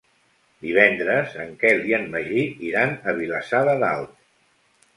Divendres en Quel i en Magí iran a Vilassar de Dalt.